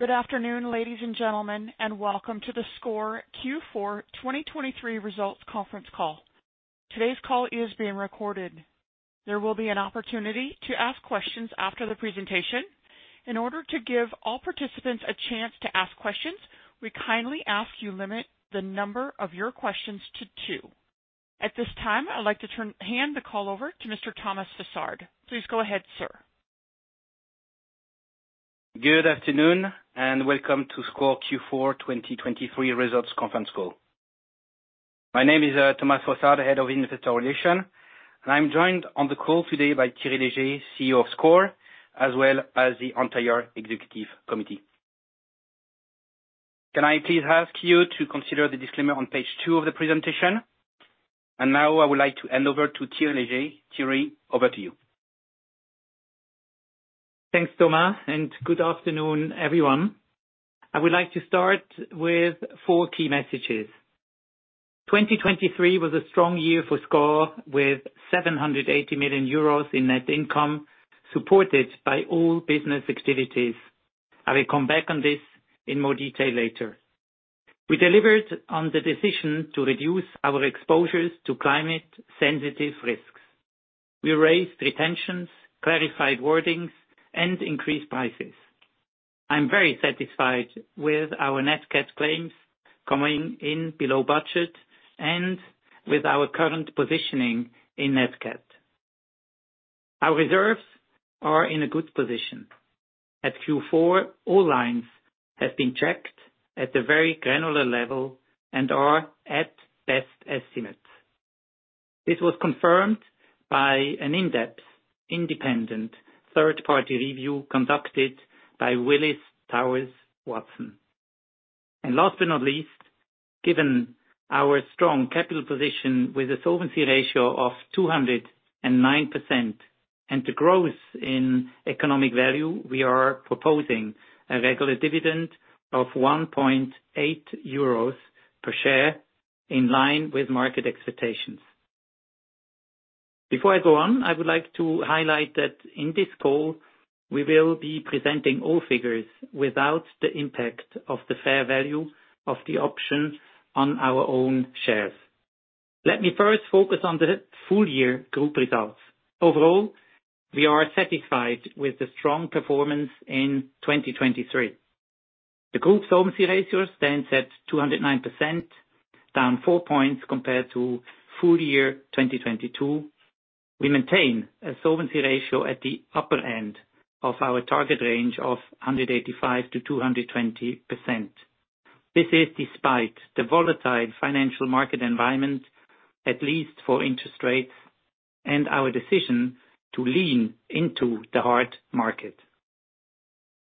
Good afternoon, ladies and gentlemen, and welcome to the SCOR Q4 2023 results conference call. Today's call is being recorded. There will be an opportunity to ask questions after the presentation. In order to give all participants a chance to ask questions, we kindly ask you limit the number of your questions to 2. At this time, I'd like to hand the call over to Mr. Thomas Fossard. Please go ahead, sir. Good afternoon and welcome to SCOR Q4 2023 results conference call. My name is Thomas Fossard, head of investor relations, and I'm joined on the call today by Thierry Léger, CEO of SCOR, as well as the entire executive committee. Can I please ask you to consider the disclaimer on page 2 of the presentation? And now I would like to hand over to Thierry Léger. Thierry, over to you. Thanks, Thomas, and good afternoon, everyone. I would like to start with four key messages. 2023 was a strong year for SCOR with 780 million euros in net income supported by all business activities. I will come back on this in more detail later. We delivered on the decision to reduce our exposures to climate-sensitive risks. We raised retentions, clarified wordings, and increased prices. I'm very satisfied with our Nat Cat claims coming in below budget and with our current positioning in Nat Cat. Our reserves are in a good position. At Q4, all lines have been checked at the very granular level and are at best estimates. This was confirmed by an in-depth, independent third-party review conducted by Willis Towers Watson. Last but not least, given our strong capital position with a solvency ratio of 209% and the growth in economic value, we are proposing a regular dividend of 1.8 euros per share in line with market expectations. Before I go on, I would like to highlight that in this call we will be presenting all figures without the impact of the fair value of the option on our own shares. Let me first focus on the full-year group results. Overall, we are satisfied with the strong performance in 2023. The group solvency ratio stands at 209%, down 4 points compared to full-year 2022. We maintain a solvency ratio at the upper end of our target range of 185%-220%. This is despite the volatile financial market environment, at least for interest rates, and our decision to lean into the hard market.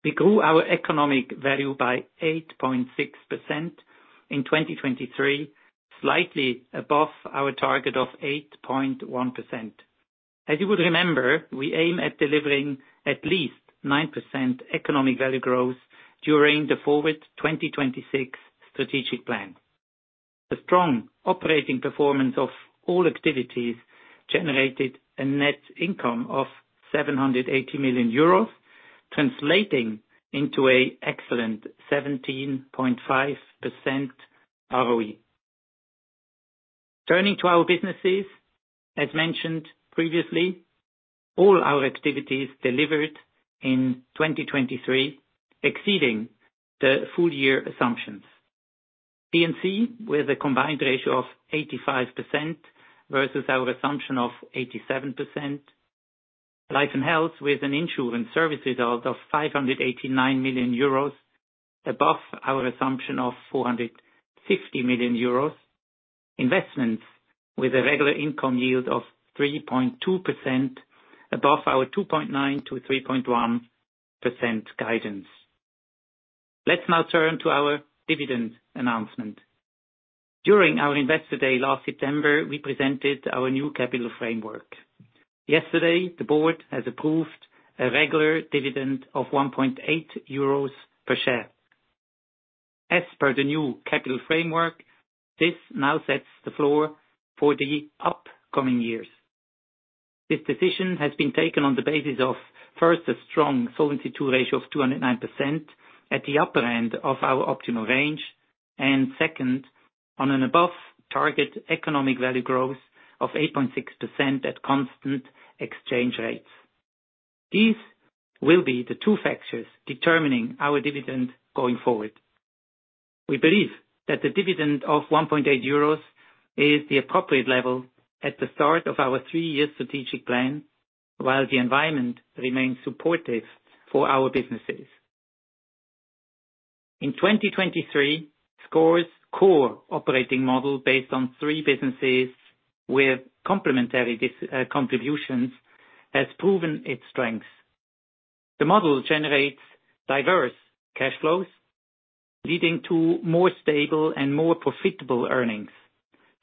We grew our economic value by 8.6% in 2023, slightly above our target of 8.1%. As you would remember, we aim at delivering at least 9% economic value growth during the forward 2026 strategic plan. The strong operating performance of all activities generated a net income of 780 million euros, translating into an excellent 17.5% ROE. Turning to our businesses, as mentioned previously, all our activities delivered in 2023 exceeded the full-year assumptions. P&C with a combined ratio of 85% versus our assumption of 87%. Life and Health with an insurance service result of 589 million euros, above our assumption of 450 million euros. Investments with a regular income yield of 3.2%, above our 2.9%-3.1% guidance. Let's now turn to our dividend announcement. During our investor day last September, we presented our new capital framework. Yesterday, the board has approved a regular dividend of 1.8 euros per share. As per the new capital framework, this now sets the floor for the upcoming years. This decision has been taken on the basis of, first, a strong solvency ratio of 209% at the upper end of our optimal range, and second, on an above-target economic value growth of 8.6% at constant exchange rates. These will be the two factors determining our dividend going forward. We believe that the dividend of 1.8 euros is the appropriate level at the start of our three-year strategic plan while the environment remains supportive for our businesses. In 2023, SCOR's core operating model based on three businesses with complementary contributions has proven its strength. The model generates diverse cash flows, leading to more stable and more profitable earnings,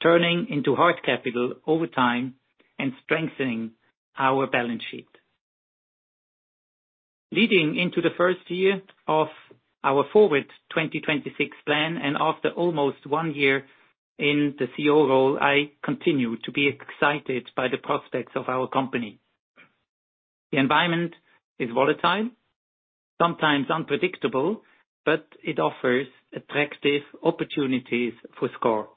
turning into hard capital over time and strengthening our balance sheet. Leading into the first year of our forward 2026 plan and after almost one year in the CEO role, I continue to be excited by the prospects of our company. The environment is volatile, sometimes unpredictable, but it offers attractive opportunities for SCOR.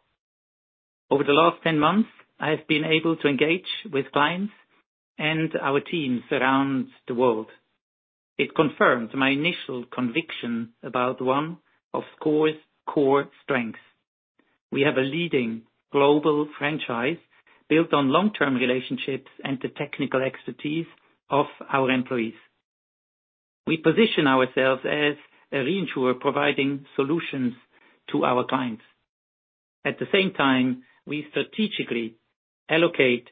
Over the last 10 months, I have been able to engage with clients and our teams around the world. It confirmed my initial conviction about one of SCOR's core strengths. We have a leading global franchise built on long-term relationships and the technical expertise of our employees. We position ourselves as a reinsurer providing solutions to our clients. At the same time, we strategically allocate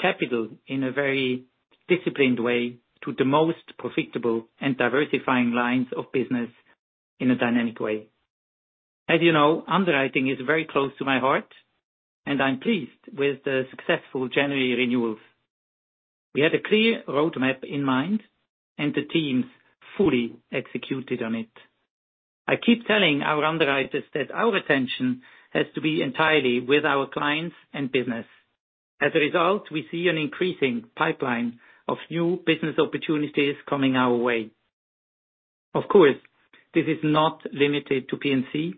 capital in a very disciplined way to the most profitable and diversifying lines of business in a dynamic way. As you know, underwriting is very close to my heart, and I'm pleased with the successful January renewals. We had a clear roadmap in mind, and the teams fully executed on it. I keep telling our underwriters that our attention has to be entirely with our clients and business. As a result, we see an increasing pipeline of new business opportunities coming our way. Of course, this is not limited to P&C.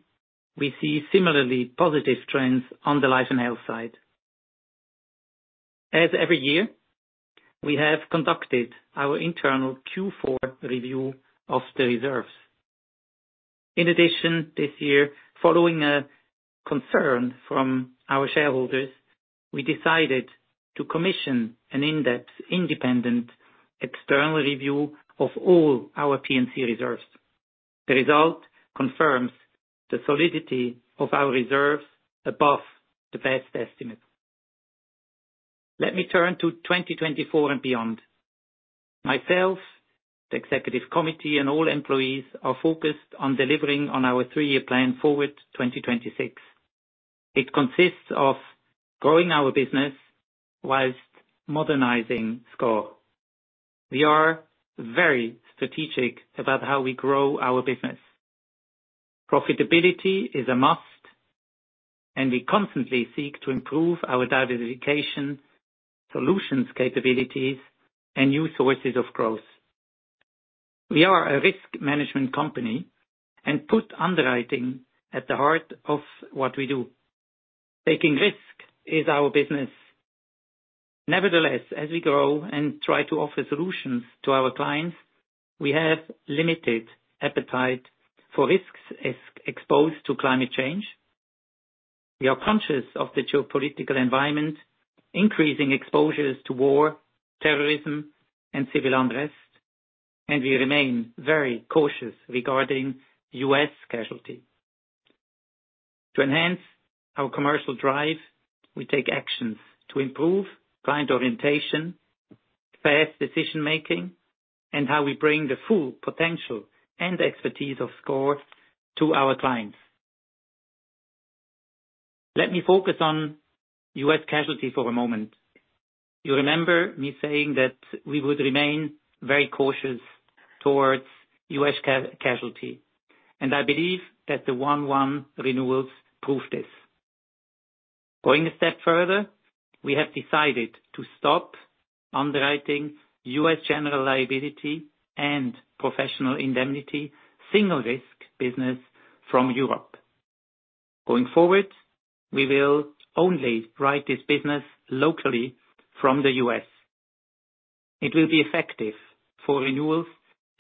We see similarly positive trends on the life and health side. As every year, we have conducted our internal Q4 review of the reserves. In addition, this year, following a concern from our shareholders, we decided to commission an in-depth, independent external review of all our P&C reserves. The result confirms the solidity of our reserves above the best estimates. Let me turn to 2024 and beyond. Myself, the executive committee, and all employees are focused on delivering on our three-year plan forward 2026. It consists of growing our business while modernizing SCOR. We are very strategic about how we grow our business. Profitability is a must, and we constantly seek to improve our diversification, solutions capabilities, and new sources of growth. We are a risk management company and put underwriting at the heart of what we do. Taking risk is our business. Nevertheless, as we grow and try to offer solutions to our clients, we have limited appetite for risks exposed to climate change. We are conscious of the geopolitical environment, increasing exposures to war, terrorism, and civil unrest, and we remain very cautious regarding US casualty. To enhance our commercial drive, we take actions to improve client orientation, fast decision-making, and how we bring the full potential and expertise of SCOR to our clients. Let me focus on US casualty for a moment. You remember me saying that we would remain very cautious towards U.S. casualty, and I believe that the 1.1 renewals prove this. Going a step further, we have decided to stop underwriting U.S. general liability and professional indemnity, single-risk business, from Europe. Going forward, we will only write this business locally from the U.S. It will be effective for renewals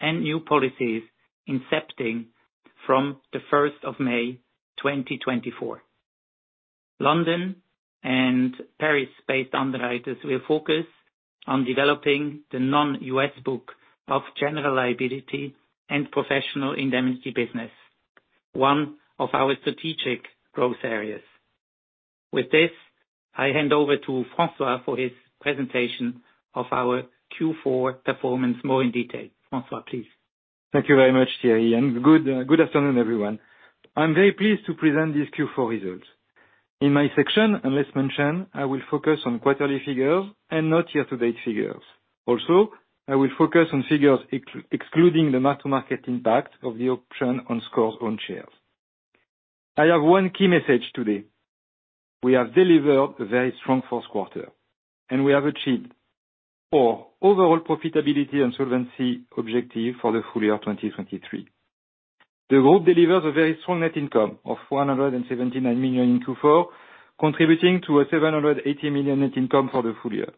and new policies incepting from the 1st of May 2024. London and Paris-based underwriters will focus on developing the non-U.S. book of general liability and professional indemnity business, one of our strategic growth areas. With this, I hand over to François for his presentation of our Q4 performance more in detail. François, please. Thank you very much, Thierry, and good afternoon, everyone. I'm very pleased to present this Q4 result. In my section, I must mention, I will focus on quarterly figures and not year-to-date figures. Also, I will focus on figures excluding the mark-to-market impact of the option on SCOR's own shares. I have one key message today. We have delivered a very strong fourth quarter, and we have achieved our overall profitability and solvency objective for the full year 2023. The group delivers a very strong net income of 179 million in Q4, contributing to a 780 million net income for the full year.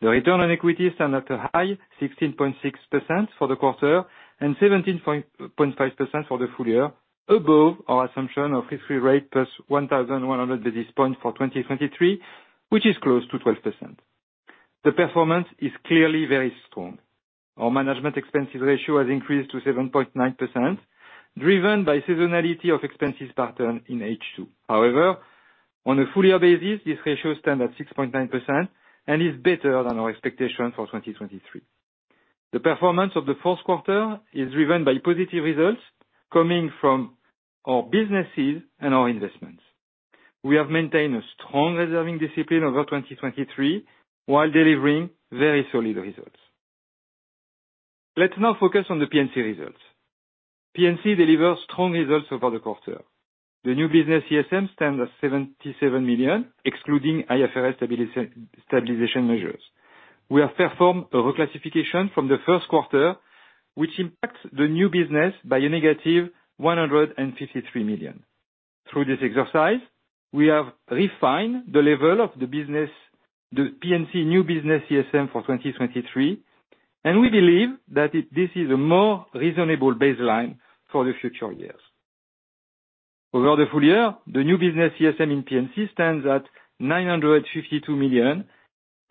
The return on equity stands at a high 16.6% for the quarter and 17.5% for the full year, above our assumption of risk-free rate plus 1,100 basis points for 2023, which is close to 12%. The performance is clearly very strong. Our management expenses ratio has increased to 7.9%, driven by seasonality of expenses pattern in H2. However, on a full-year basis, this ratio stands at 6.9% and is better than our expectation for 2023. The performance of the fourth quarter is driven by positive results coming from our businesses and our investments. We have maintained a strong reserving discipline over 2023 while delivering very solid results. Let's now focus on the P&C results. P&C delivers strong results over the quarter. The new business CSM stands at 77 million, excluding IFRS stabilization measures. We have performed a reclassification from the first quarter, which impacts the new business by a negative 153 million. Through this exercise, we have refined the level of the P&C new business CSM for 2023, and we believe that this is a more reasonable baseline for the future years. Over the full year, the new business CSM in P&C stands at 952 million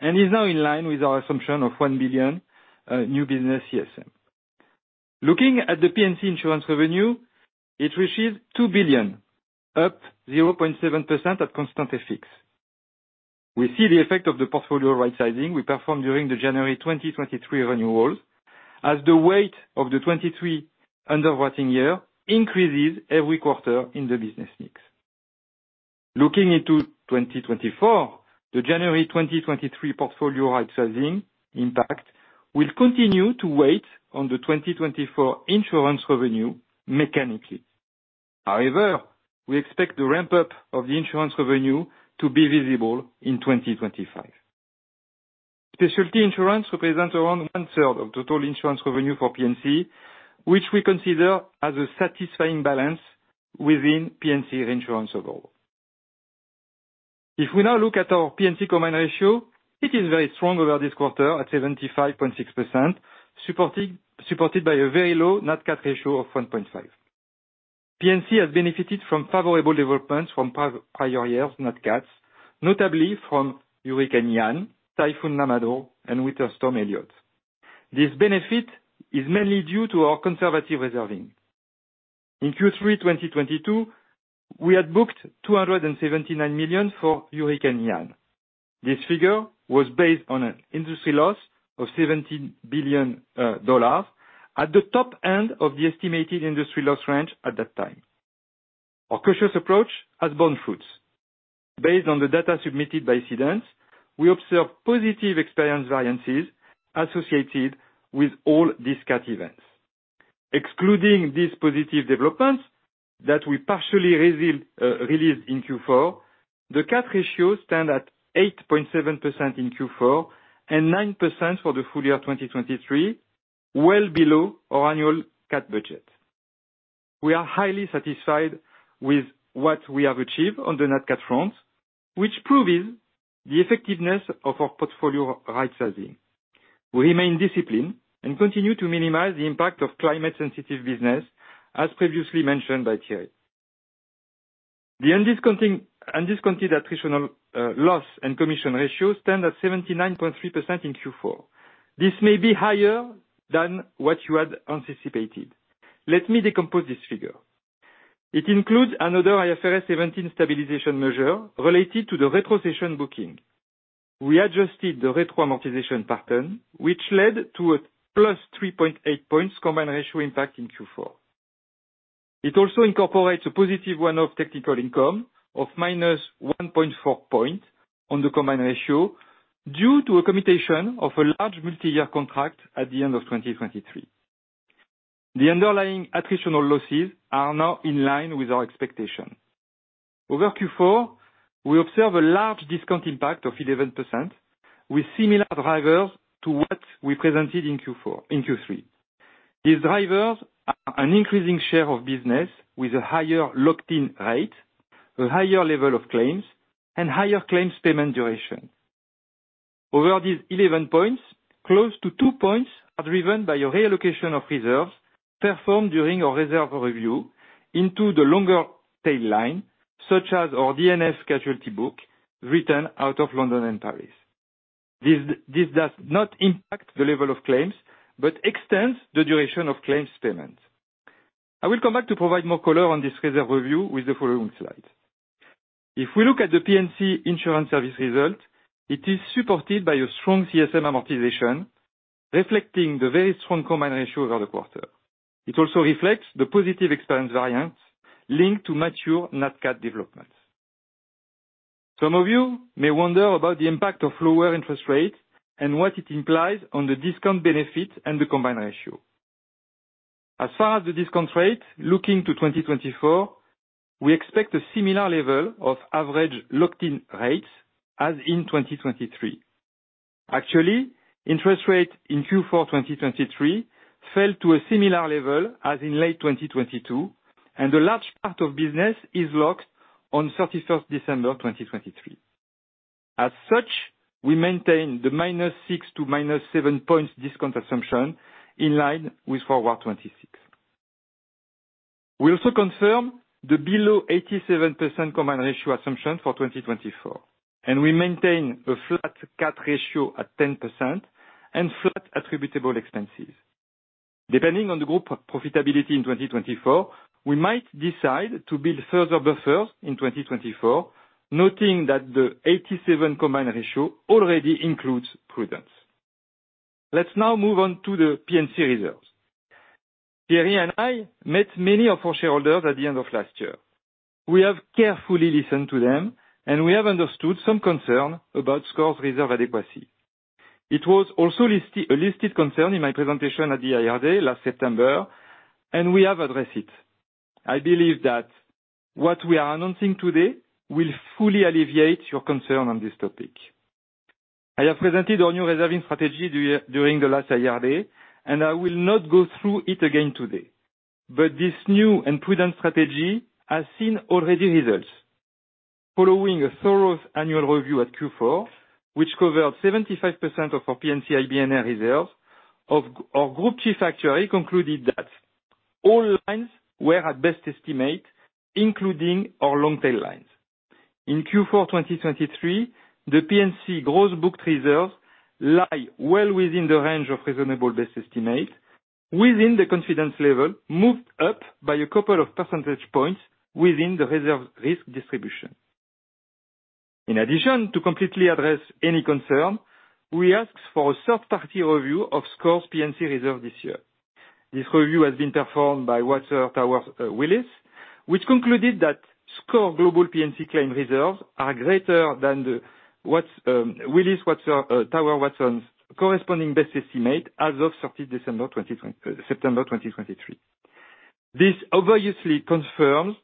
and is now in line with our assumption of 1 billion new business CSM. Looking at the P&C insurance revenue, it reaches 2 billion, up 0.7% at constant effects. We see the effect of the portfolio rightsizing we performed during the January 2023 renewals as the weight of the 2023 underwriting year increases every quarter in the business mix. Looking into 2024, the January 2023 portfolio rightsizing impact will continue to weigh on the 2024 insurance revenue mechanically. However, we expect the ramp-up of the insurance revenue to be visible in 2025. Specialty insurance represents around one-third of total insurance revenue for P&C, which we consider as a satisfying balance within P&C reinsurance overall. If we now look at our P&C combined ratio, it is very strong over this quarter at 75.6%, supported by a very low Nat Cat ratio of 1.5%. P&C has benefited from favorable developments from prior year's Nat Cats, notably from Hurricane Ian, Typhoon Nanmadol, and Winter Storm Elliott. This benefit is mainly due to our conservative reserving. In Q3 2022, we had booked 279 million for Hurricane Ian. This figure was based on an industry loss of $17 billion at the top end of the estimated industry loss range at that time. Our cautious approach has borne fruits. Based on the data submitted by CDANS, we observed positive experience variances associated with all these CAT events. Excluding these positive developments that we partially released in Q4, the Nat Cat ratios stand at 8.7% in Q4 and 9% for the full year 2023, well below our annual Nat Cat budget. We are highly satisfied with what we have achieved on the Nat Cat front, which proves the effectiveness of our portfolio rightsizing. We remain disciplined and continue to minimize the impact of climate-sensitive business, as previously mentioned by Thierry. The undiscounted attritional loss and commission ratios stand at 79.3% in Q4. This may be higher than what you had anticipated. Let me decompose this figure. It includes another IFRS 17 stabilization measure related to the retrocession booking. We adjusted the retro amortization pattern, which led to a +3.8 points combined ratio impact in Q4. It also incorporates a positive one-off technical income of -1.4 points on the combined ratio due to a commutation of a large multi-year contract at the end of 2023. The underlying attritional losses are now in line with our expectation. Over Q4, we observe a large discount impact of 11% with similar drivers to what we presented in Q3. These drivers are an increasing share of business with a higher locked-in rate, a higher level of claims, and higher claims payment duration. Over these 11 points, close to two points are driven by a reallocation of reserves performed during our reserve review into the longer tail line, such as our D&F casualty book written out of London and Paris. This does not impact the level of claims but extends the duration of claims payments. I will come back to provide more color on this reserve review with the following slides. If we look at the P&C insurance service result, it is supported by a strong CSM amortization, reflecting the very strong combined ratio over the quarter. It also reflects the positive experience variance linked to mature Nat Cat developments. Some of you may wonder about the impact of lower interest rates and what it implies on the discount benefit and the combined ratio. As far as the discount rate, looking to 2024, we expect a similar level of average locked-in rates as in 2023. Actually, interest rate in Q4 2023 fell to a similar level as in late 2022, and a large part of business is locked on 31st December 2023. As such, we maintain the -6 to -7 points discount assumption in line with forward 26. We also confirm the below 87% combined ratio assumption for 2024, and we maintain a flat CAT ratio at 10% and flat attributable expenses. Depending on the group profitability in 2024, we might decide to build further buffers in 2024, noting that the 87% combined ratio already includes prudence. Let's now move on to the P&C reserves. Thierry and I met many of our shareholders at the end of last year. We have carefully listened to them, and we have understood some concern about SCOR's reserve adequacy. It was also a listed concern in my presentation at the IRD last September, and we have addressed it. I believe that what we are announcing today will fully alleviate your concern on this topic. I have presented our new reserving strategy during the last IRD, and I will not go through it again today. But this new and prudent strategy has seen already results. Following a thorough annual review at Q4, which covered 75% of our P&C IBNR reserves, our group chief actuary concluded that all lines were at best estimate, including our long tail lines. In Q4 2023, the P&C gross booked reserves lie well within the range of reasonable best estimate, within the confidence level moved up by a couple of percentage points within the reserve risk distribution. In addition, to completely address any concern, we asked for a third-party review of SCOR's P&C reserve this year. This review has been performed by Willis Towers Watson, which concluded that SCOR Global P&C Claim Reserves are greater than Willis Towers Watson's corresponding best estimate as of 30th December 2023. This obviously confirms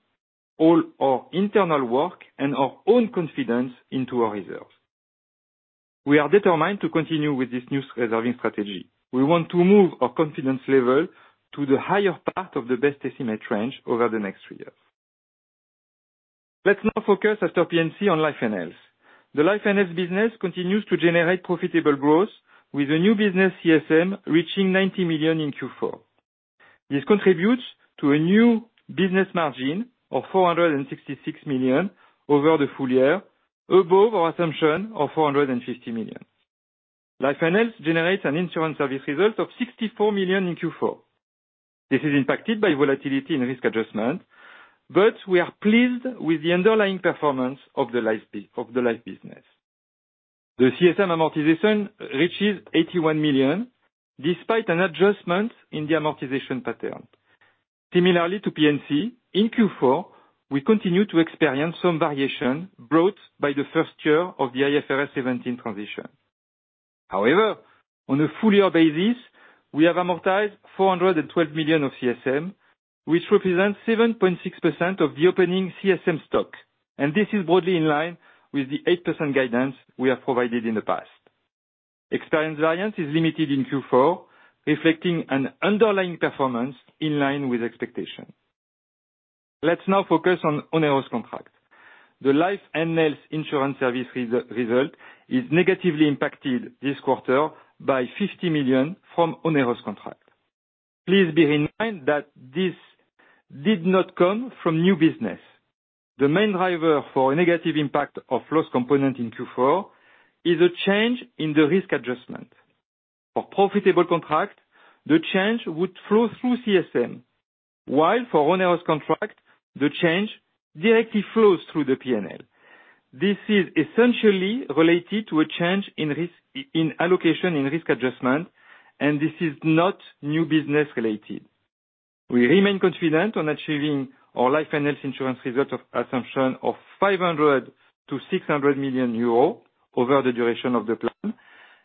all our internal work and our own confidence into our reserves. We are determined to continue with this new reserving strategy. We want to move our confidence level to the higher part of the best estimate range over the next three years. Let's now focus, after P&C, on life and health. The life and health business continues to generate profitable growth, with a new business CSM reaching 90 million in Q4. This contributes to a new business margin of 466 million over the full year, above our assumption of 450 million. Life and health generates an insurance service result of 64 million in Q4. This is impacted by volatility in risk adjustment, but we are pleased with the underlying performance of the life business. The CSM amortization reaches 81 million, despite an adjustment in the amortization pattern. Similarly to P&C, in Q4, we continue to experience some variation brought by the first year of the IFRS 17 transition. However, on a full year basis, we have amortized 412 million of CSM, which represents 7.6% of the opening CSM stock, and this is broadly in line with the 8% guidance we have provided in the past. Experience variance is limited in Q4, reflecting an underlying performance in line with expectation. Let's now focus on onerous contract. The life and health insurance service result is negatively impacted this quarter by 50 million from onerous contract. Please bear in mind that this did not come from new business. The main driver for a negative impact of loss component in Q4 is a change in the risk adjustment. For profitable contract, the change would flow through CSM, while for onerous contract, the change directly flows through the P&L. This is essentially related to a change in allocation in risk adjustment, and this is not new business related. We remain confident on achieving our life and health insurance result of assumption of 500 million-600 million euro over the duration of the plan,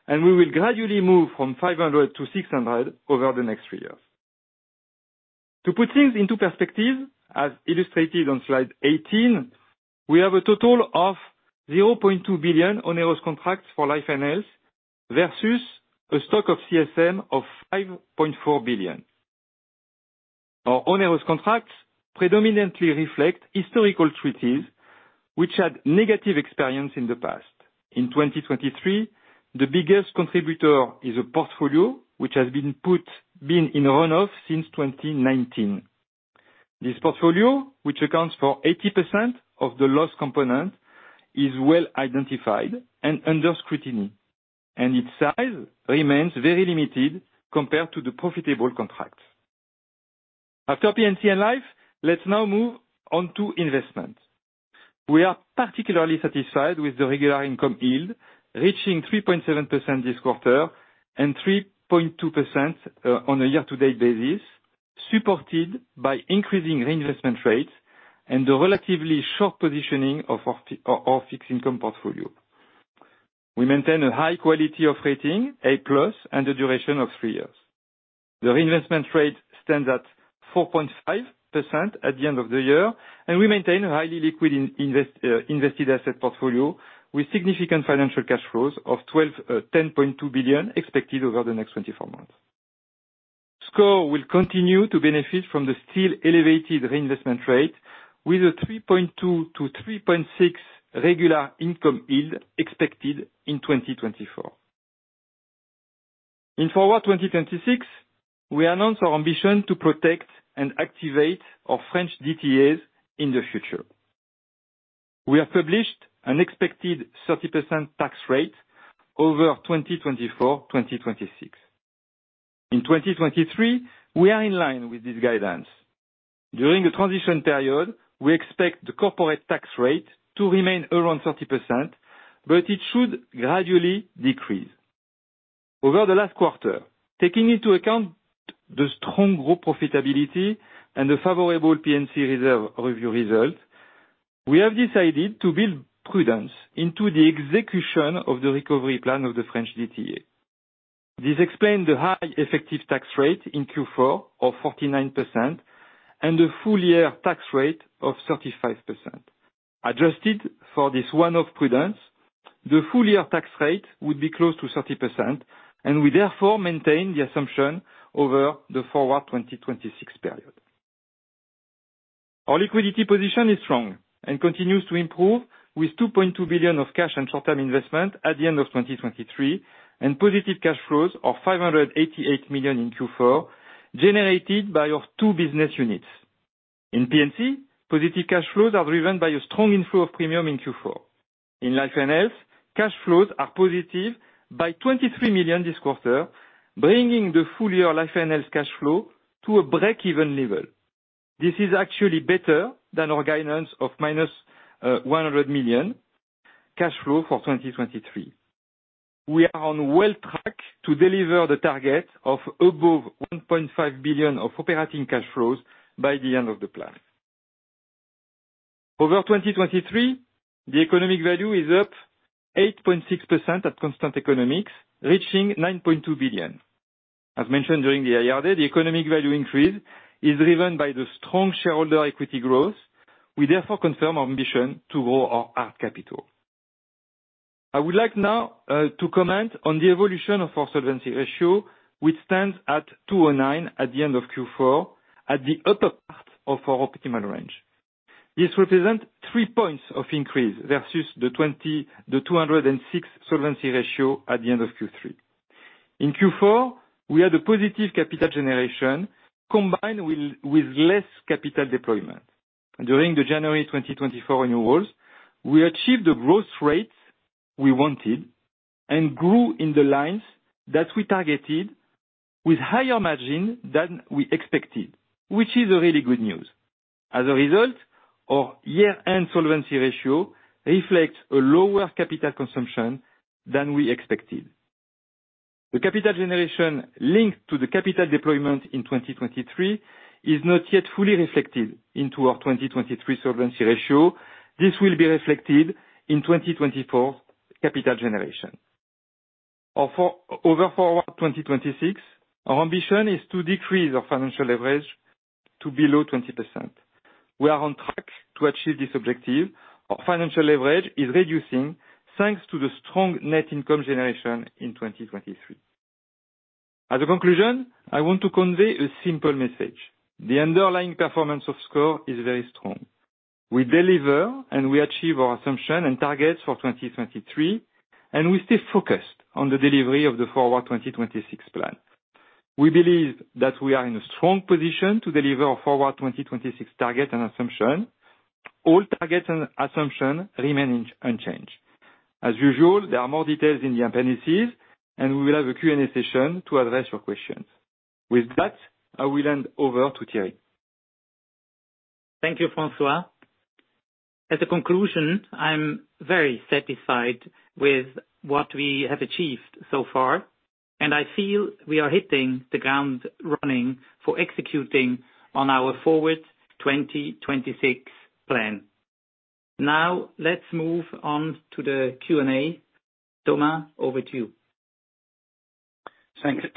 and we will gradually move from 500 million to 600 million over the next three years. To put things into perspective, as illustrated on slide 18, we have a total of 0.2 billion onerous contracts for life and health versus a stock of CSM of 5.4 billion. Our onerous contracts predominantly reflect historical treaties, which had negative experience in the past. In 2023, the biggest contributor is a portfolio which has been in runoff since 2019. This portfolio, which accounts for 80% of the loss component, is well identified and under scrutiny, and its size remains very limited compared to the profitable contracts. After P&C and life, let's now move on to investment. We are particularly satisfied with the regular income yield, reaching 3.7% this quarter and 3.2% on a year-to-date basis, supported by increasing reinvestment rates and the relatively short positioning of our fixed income portfolio. We maintain a high quality of rating, A+, and a duration of three years. The reinvestment rate stands at 4.5% at the end of the year, and we maintain a highly liquid invested asset portfolio with significant financial cash flows of 10.2 billion expected over the next 24 months. SCOR will continue to benefit from the still elevated reinvestment rate with a 3.2%-3.6% regular income yield expected in 2024. In forward 2026, we announce our ambition to protect and activate our French DTAs in the future. We have published an expected 30% tax rate over 2024-2026. In 2023, we are in line with this guidance. During the transition period, we expect the corporate tax rate to remain around 30%, but it should gradually decrease. Over the last quarter, taking into account the strong growth profitability and the favorable P&C reserve review result, we have decided to build prudence into the execution of the recovery plan of the French DTA. This explains the high effective tax rate in Q4 of 49% and the full year tax rate of 35%. Adjusted for this one-off prudence, the full year tax rate would be close to 30%, and we therefore maintain the assumption over the forward 2026 period. Our liquidity position is strong and continues to improve with 2.2 billion of cash and short-term investment at the end of 2023 and positive cash flows of 588 million in Q4 generated by our two business units. In P&C, positive cash flows are driven by a strong inflow of premium in Q4. In life and health, cash flows are positive by 23 million this quarter, bringing the full year life and health cash flow to a break-even level. This is actually better than our guidance of minus 100 million cash flow for 2023. We are well on track to deliver the target of above 1.5 billion of operating cash flows by the end of the plan. Over 2023, the economic value is up 8.6% at constant economics, reaching 9.2 billion. As mentioned during the IRD, the economic value increase is driven by the strong shareholder equity growth. We therefore confirm our ambition to grow our Tier 1 capital. I would like now to comment on the evolution of our solvency ratio, which stands at 209% at the end of Q4, at the upper part of our optimal range. This represents three points of increase versus the 206% solvency ratio at the end of Q3. In Q4, we had a positive capital generation combined with less capital deployment. During the January 2024 renewals, we achieved the growth rates we wanted and grew in the lines that we targeted with higher margin than we expected, which is really good news. As a result, our year-end solvency ratio reflects a lower capital consumption than we expected. The capital generation linked to the capital deployment in 2023 is not yet fully reflected into our 2023 solvency ratio. This will be reflected in 2024 capital generation. Over forward 2026, our ambition is to decrease our financial leverage to below 20%. We are on track to achieve this objective. Our financial leverage is reducing thanks to the strong net income generation in 2023. As a conclusion, I want to convey a simple message. The underlying performance of SCOR is very strong. We deliver and we achieve our assumption and targets for 2023, and we stay focused on the delivery of the forward 2026 plan. We believe that we are in a strong position to deliver our forward 2026 target and assumption. All targets and assumptions remain unchanged. As usual, there are more details in the appendices, and we will have a Q&A session to address your questions. With that, I will hand over to Thierry. Thank you, François. As a conclusion, I'm very satisfied with what we have achieved so far, and I feel we are hitting the ground running for executing on our forward 2026 plan. Now, let's move on to the Q&A. Thomas, over to you. Thank you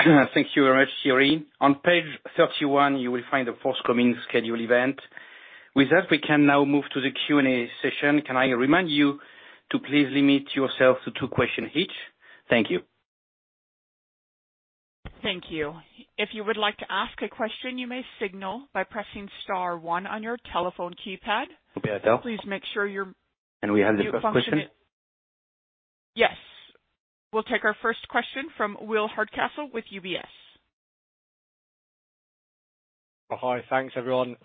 very much, Thierry. On page 31, you will find the forthcoming scheduled event. With that, we can now move to the Q&A session. Can I remind you to please limit yourself to two questions each? Thank you. Thank you. If you would like to ask a question, you may signal by pressing star one on your telephone keypad. Please make sure you're. And we have the first question? Yes. We'll take our first question from Will Hardcastle with UBS. Hi. Thanks, everyone.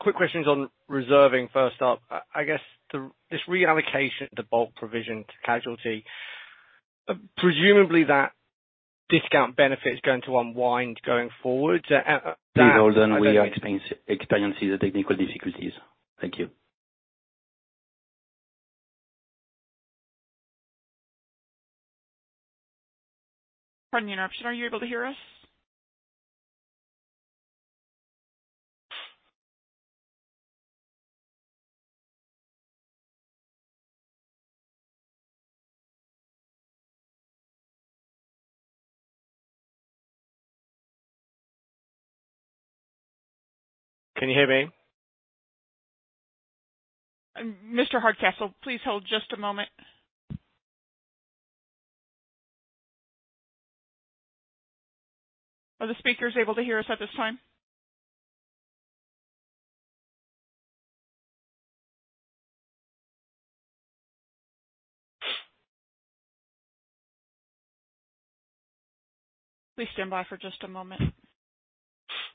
Quick questions on reserving first up. I guess this reallocation, the bulk provisioned casualty, presumably that discount benefit is going to unwind going forward. We are experiencing the technical difficulties. Thank you. Pardon the interruption. Are you able to hear us? Can you hear me? Mr. Hardcastle, please hold just a moment. Are the speakers able to hear us at this time? Please stand by for just a moment.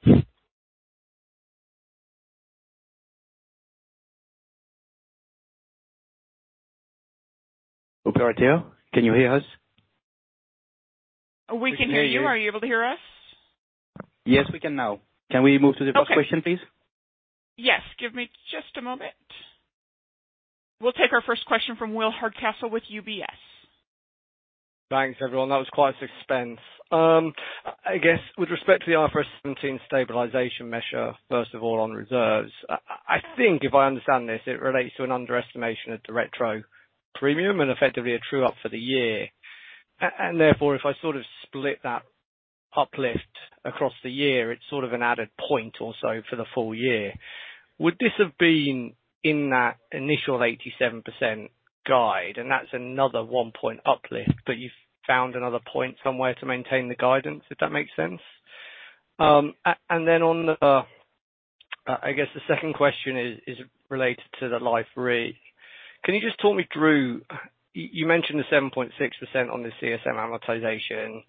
Okay, Arteo. Can you hear us? We can hear you. Are you able to hear us? Yes, we can now. Can we move to the first question, please? Yes. Give me just a moment. We'll take our first question from Will Hardcastle with UBS. Thanks, everyone. That was quite a suspense. I guess with respect to the IFRS 17 stabilization measure, first of all, on reserves, I think if I understand this, it relates to an underestimation of direct and facultative premium and effectively a true-up for the year. And therefore, if I sort of split that uplift across the year, it's sort of an added point or so for the full year. Would this have been in that initial 87% guide? And that's another one-point uplift, but you've found another point somewhere to maintain the guidance, if that makes sense. And then on the, I guess, the second question is related to the life re. Can you just talk me through? You mentioned the 7.6% on the CSM amortization.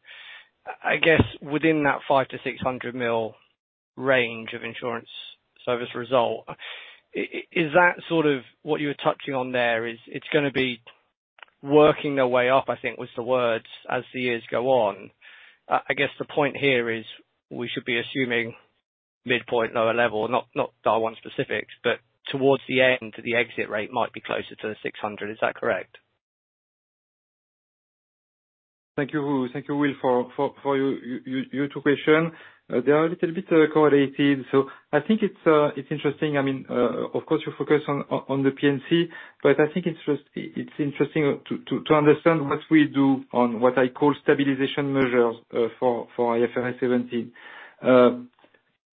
I guess within that 5 million-600 million range of insurance service result, is that sort of what you were touching on there? It's going to be working their way up, I think was the word, as the years go on. I guess the point here is we should be assuming midpoint lower level, not DAR-1 specifics, but towards the end, the exit rate might be closer to the 600. Is that correct? Thank you, Will, for your two questions. They are a little bit correlated. So I think it's interesting. I mean, of course, you focus on the P&C, but I think it's interesting to understand what we do on what I call stabilization measures for IFRS 17.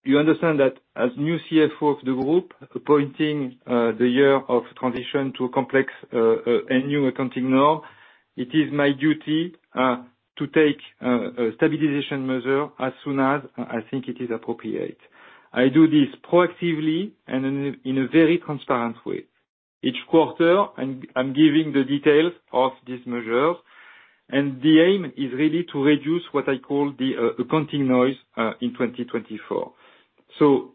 You understand that as new CFO of the group appointing the year of transition to a complex and new accounting norm, it is my duty to take a stabilization measure as soon as I think it is appropriate. I do this proactively and in a very transparent way. Each quarter, I'm giving the details of these measures. The aim is really to reduce what I call the accounting noise in 2024.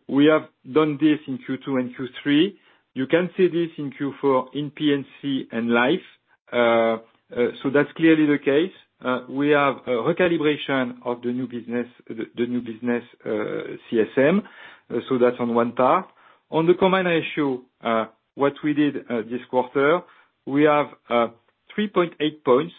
We have done this in Q2 and Q3. You can see this in Q4 in P&C and life. That's clearly the case. We have a recalibration of the new business CSM. That's on one part. On the combined ratio, what we did this quarter, we have 3.8 points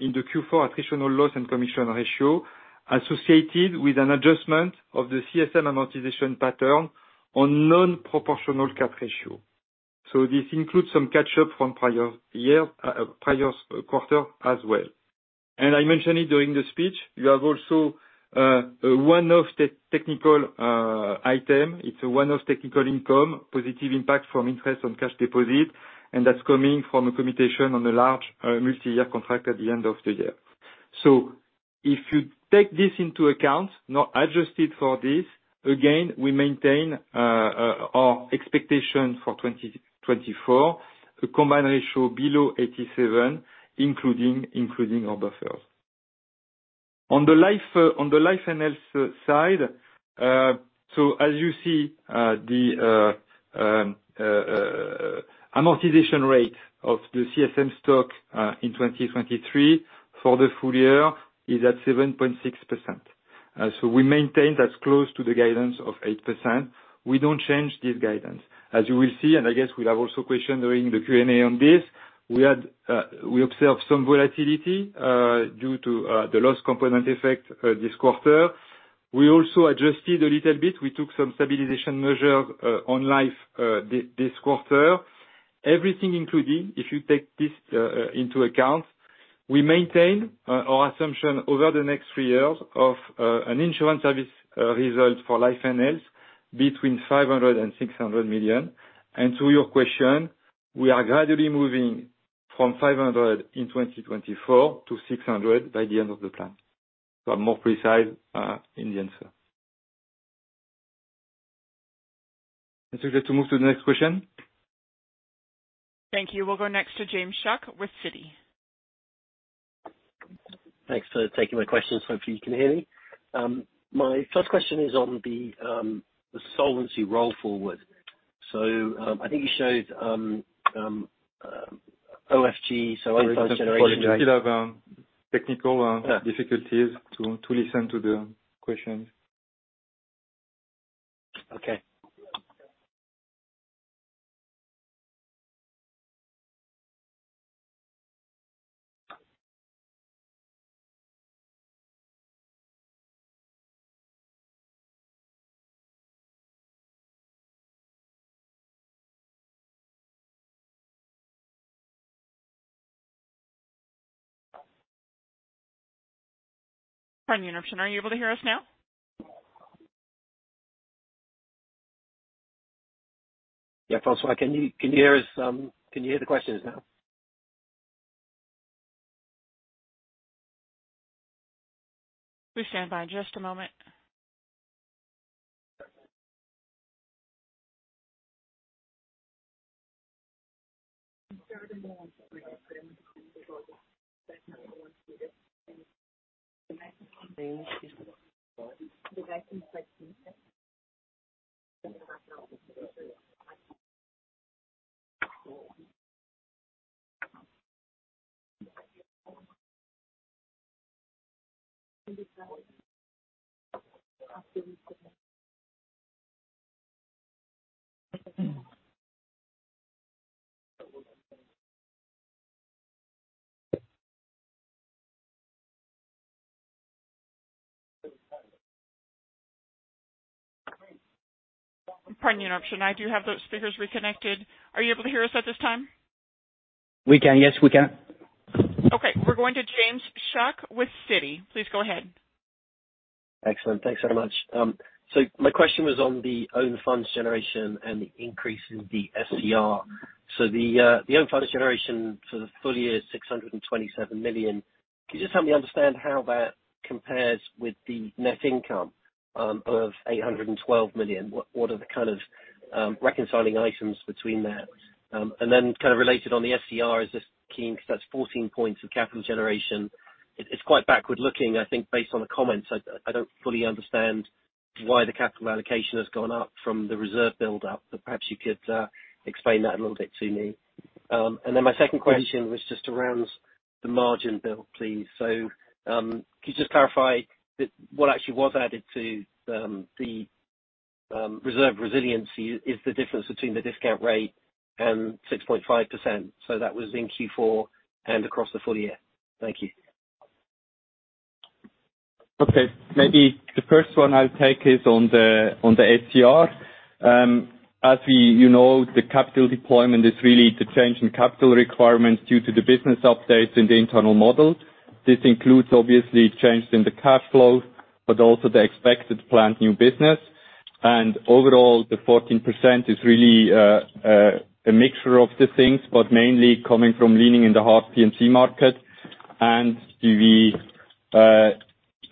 in the Q4 attritional loss and commission ratio associated with an adjustment of the CSM amortization pattern on non-proportional cat ratio. So this includes some catch-up from prior quarters as well. And I mentioned it during the speech. You have also one-off technical item. It's a one-off technical income, positive impact from interest on cash deposit, and that's coming from a commutation on a large multi-year contract at the end of the year. So if you take this into account, now adjusted for this, again, we maintain our expectation for 2024, a combined ratio below 87, including our buffers. On the life and health side, so as you see, the amortization rate of the CSM stock in 2023 for the full year is at 7.6%. So we maintain that's close to the guidance of 8%. We don't change this guidance. As you will see, and I guess we'll have also questions during the Q&A on this, we observe some volatility due to the loss component effect this quarter. We also adjusted a little bit. We took some stabilization measures on life this quarter. Everything included, if you take this into account, we maintain our assumption over the next three years of an insurance service result for life and health between 500 million and 600 million. And to your question, we are gradually moving from 500 million in 2024 to 600 million by the end of the plan. So I'm more precise in the answer. If you'd like to move to the next question. Thank you. We'll go next to James Shuck with Citi. Thanks for taking my questions. Hopefully, you can hear me. My first question is on the solvency roll forward. So I think you showed OFG, so own funds generation. Still have technical difficulties to listen to the questions. Okay. Pardon the interruption. Are you able to hear us now? Yeah, François. Can you hear us? Can you hear the questions now? Please stand by just a moment. Pardon the interruption. I do have those speakers reconnected. Are you able to hear us at this time? We can. Yes, we can. Okay. We're going to James Shuck with Citi. Please go ahead. Excellent. Thanks so much. So my question was on the own funds generation and the increase in the SCR. So the own funds generation for the full year is 627 million. Could you just help me understand how that compares with the net income of 812 million? What are the kind of reconciling items between that? And then kind of related on the SCR, is this key because that's 14 points of capital generation. It's quite backward-looking, I think, based on the comments. I don't fully understand why the capital allocation has gone up from the reserve buildup, but perhaps you could explain that a little bit to me. And then my second question was just around the margin bill, please. So could you just clarify that what actually was added to the reserve resiliency is the difference between the discount rate and 6.5%? So that was in Q4 and across the full year. Thank you. Okay. Maybe the first one I'll take is on the SCR. As you know, the capital deployment is really the change in capital requirements due to the business updates in the internal model. This includes, obviously, changes in the cash flow, but also the expected planned new business. And overall, the 14% is really a mixture of the things, but mainly coming from leaning in the hard P&C market.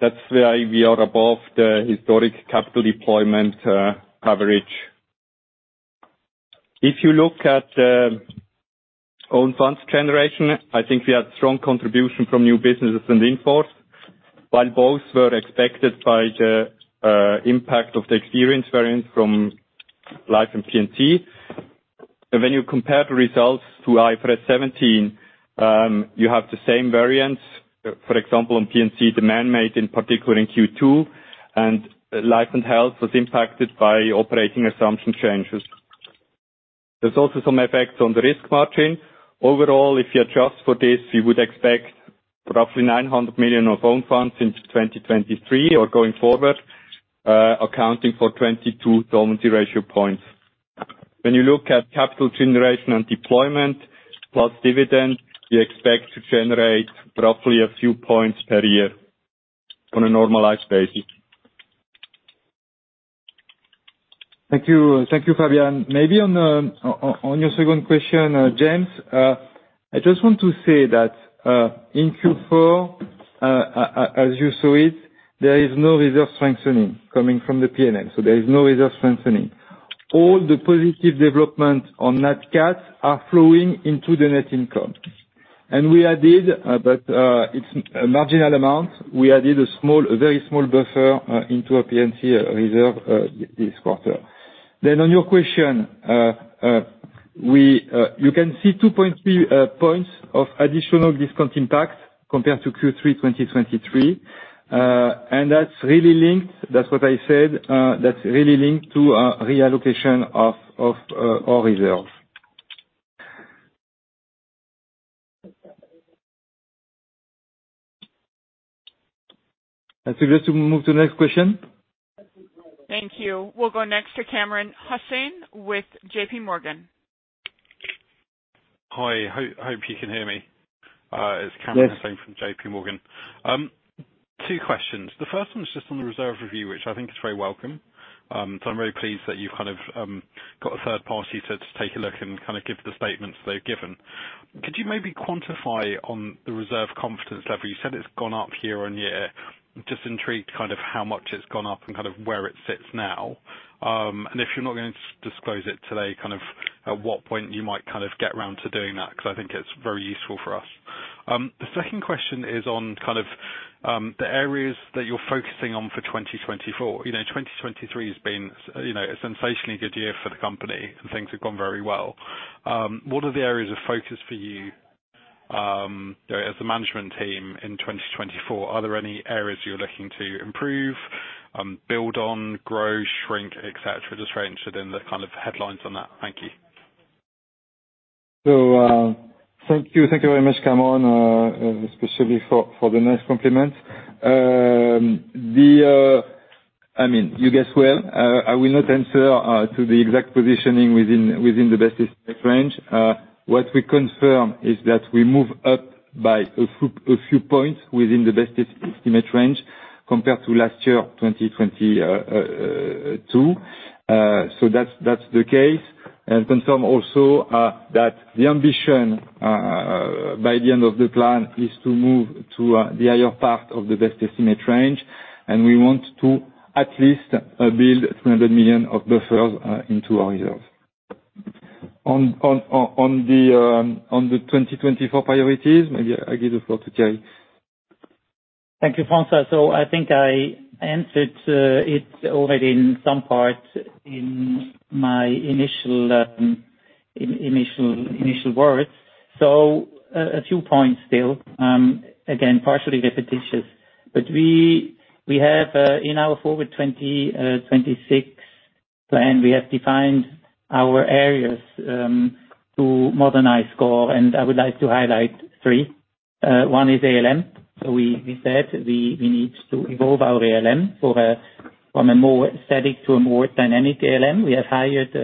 That's why we are above the historic capital deployment average. If you look at the own funds generation, I think we had strong contribution from new businesses and in-force, while both were expected by the impact of the experience variance from life and P&C. When you compare the results to IFRS 17, you have the same variance. For example, on P&C, the man-made, in particular in Q2, and life and health was impacted by operating assumption changes. There's also some effects on the risk margin. Overall, if you adjust for this, you would expect roughly 900 million of own funds in 2023 or going forward, accounting for 22 solvency ratio points. When you look at capital generation and deployment plus dividend, you expect to generate roughly a few points per year on a normalized basis. Thank you, Fabian. Maybe on your second question, James, I just want to say that in Q4, as you saw it, there is no reserve strengthening coming from the P&L. So there is no reserve strengthening. All the positive developments on Nat Cats are flowing into the net income. And we added, but it's a marginal amount, we added a very small buffer into our P&C reserve this quarter. Then on your question, you can see 2.3 points of additional discount impact compared to Q3 2023. And that's really linked that's what I said. That's really linked to a reallocation of our reserves. I suggest we move to the next question. Thank you. We'll go next to Kamran Hossain with J.P. Morgan. Hi. Hope you can hear me. It's Kamran Hossain from J.P. Morgan. Two questions. The first one is just on the reserve review, which I think is very welcome. I'm very pleased that you've kind of got a third party to take a look and kind of give the statements they've given. Could you maybe quantify on the reserve confidence level? You said it's gone up year on year. I'm just intrigued kind of how much it's gone up and kind of where it sits now. If you're not going to disclose it today, kind of at what point you might kind of get around to doing that because I think it's very useful for us. The second question is on kind of the areas that you're focusing on for 2024. 2023 has been a sensationally good year for the company, and things have gone very well. What are the areas of focus for you as a management team in 2024? Are there any areas you're looking to improve, build on, grow, shrink, etc.? Just very interested in the kind of headlines on that. Thank you. So thank you. Thank you very much, Cameron, especially for the nice compliment. I mean, you guessed well. I will not answer to the exact positioning within the best estimate range. What we confirm is that we move up by a few points within the best estimate range compared to last year, 2022. So that's the case. And confirm also that the ambition by the end of the plan is to move to the higher part of the best estimate range. And we want to at least build 300 million of buffers into our reserves. On the 2024 priorities, maybe I'll give the floor to Thierry. Thank you, François. So I think I answered it already in some part in my initial words. So a few points still. Again, partially repetitious. But we have in our forward 2026 plan, we have defined our areas to modernize SCOR. And I would like to highlight three. One is ALM. So we said we need to evolve our ALM from a more static to a more dynamic ALM. We have hired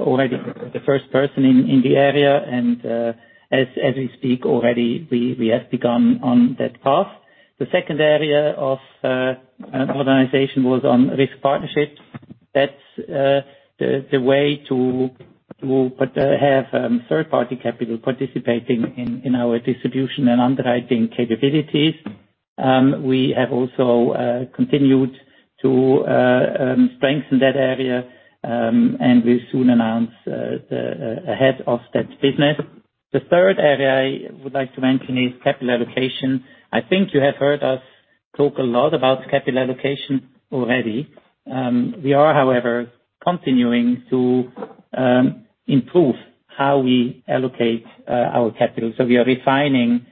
already the first person in the area. And as we speak already, we have begun on that path. The second area of modernization was on risk partnerships. That's the way to have third-party capital participating in our distribution and underwriting capabilities. We have also continued to strengthen that area. And we'll soon announce the head of that business. The third area I would like to mention is capital allocation. I think you have heard us talk a lot about capital allocation already. We are, however, continuing to improve how we allocate our capital. So we are refining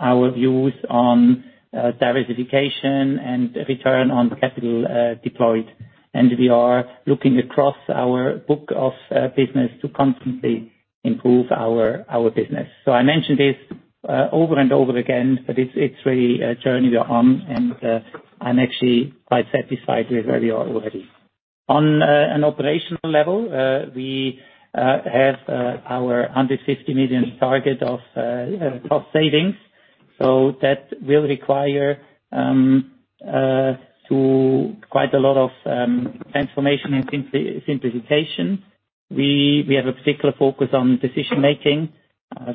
our views on diversification and return on capital deployed. And we are looking across our book of business to constantly improve our business. So I mentioned this over and over again, but it's really a journey we're on. And I'm actually quite satisfied with where we are already. On an operational level, we have our 150 million target of cost savings. So that will require quite a lot of transformation and simplification. We have a particular focus on decision-making.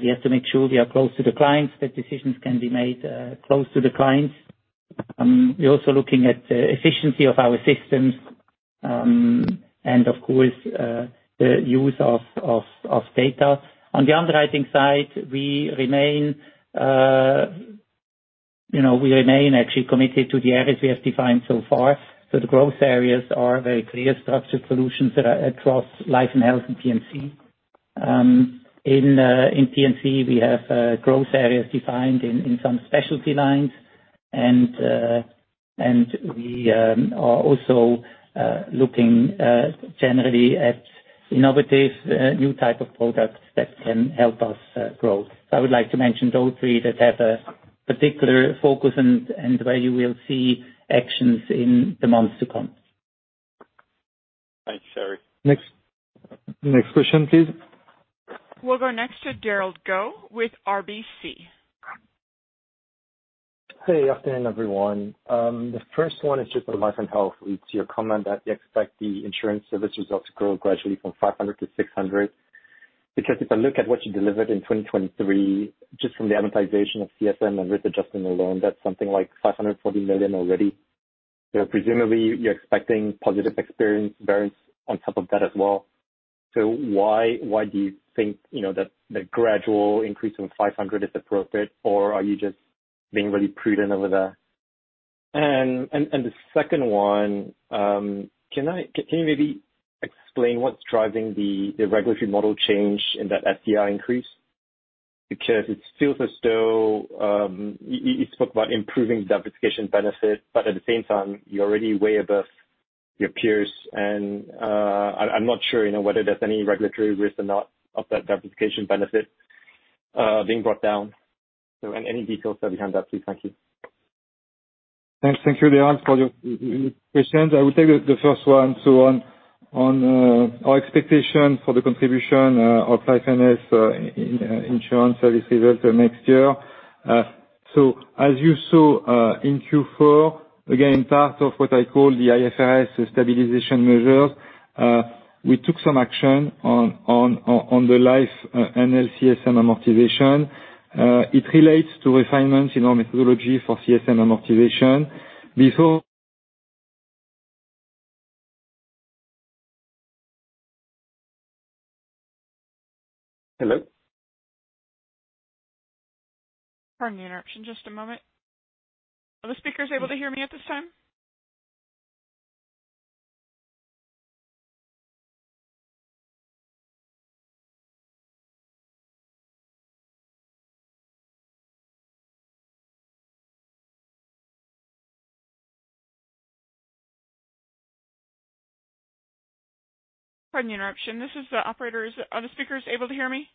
We have to make sure we are close to the clients, that decisions can be made close to the clients. We're also looking at the efficiency of our systems and, of course, the use of data. On the underwriting side, we remain actually committed to the areas we have defined so far. So the growth areas are very clear, structured solutions across life and health and P&C. In P&C, we have growth areas defined in some specialty lines. We are also looking generally at innovative new types of products that can help us grow. I would like to mention those three that have a particular focus and where you will see actions in the months to come. Thanks, Sherry. Next question, please. We'll go next to Darragh Quinn with RBC Capital Markets. Hey. Afternoon, everyone. The first one is just on life and health. It's your comment that you expect the insurance service results to grow gradually from 500 million to 600 million. Because if I look at what you delivered in 2023, just from the amortization of CSM and risk adjusting alone, that's something like 540 million already. Presumably, you're expecting positive experience variance on top of that as well. So why do you think that the gradual increase of 500 is appropriate, or are you just being really prudent over there? And the second one, can you maybe explain what's driving the regulatory model change in that SCR increase? Because it feels as though you spoke about improving diversification benefit, but at the same time, you're already way above your peers. And I'm not sure whether there's any regulatory risk or not of that diversification benefit being brought down. So any details behind that, please. Thank you. Thanks. Thank you for the answer to all your questions. I will take the first one on our expectation for the contribution of life and health insurance service results next year. So as you saw in Q4, again, part of what I call the IFRS stabilization measures, we took some action on the life and health CSM amortization. It relates to refinements in our methodology for CSM amortization. Before—Hello? Pardon the interruption. Just a moment. Are the speakers able to hear me at this time? Pardon the interruption. Are the speakers able to hear me?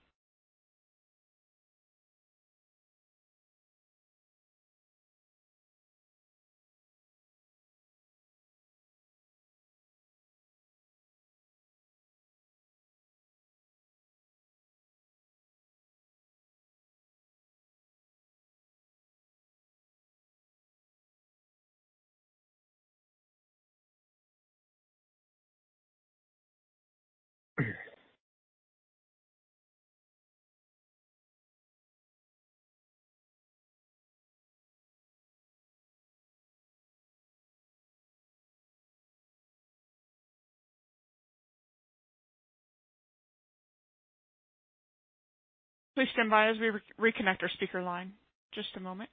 Please stand by as we reconnect our speaker line. Just a moment.